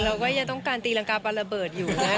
เราก็ยังต้องการตีรังกาปลาระเบิดอยู่นะ